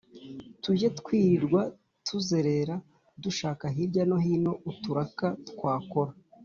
tujye twirirwa tuzerera dushaka hirya no hino uturaka twakora!